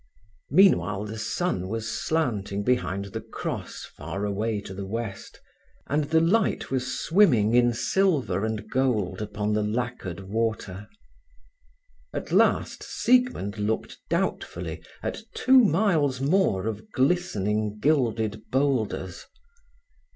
Meanwhile the sun was slanting behind the cross far away to the west, and the light was swimming in silver and gold upon the lacquered water. At last Siegmund looked doubtfully at two miles more of glistening, gilded boulders.